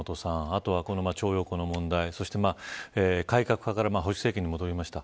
あとはこの徴用工の問題そして改革派から保守政権に戻りました。